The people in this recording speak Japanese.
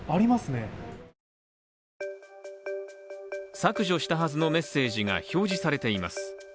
削除したはずのメッセージが表示されています。